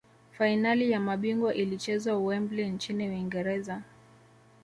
fainali ya mabingwa ilichezwa wembley nchini uingereza